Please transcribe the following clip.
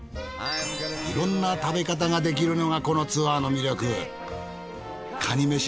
いろんな食べ方ができるのがこのツアーの魅力。